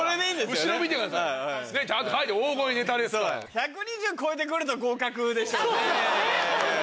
１２０超えて来ると合格でしょうね。